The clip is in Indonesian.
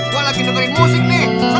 gue lagi dengerin musik nih